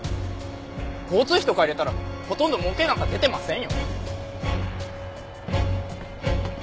交通費とか入れたらほとんど儲けなんか出てませんよ。